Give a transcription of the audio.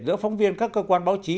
giữa phóng viên các cơ quan báo chí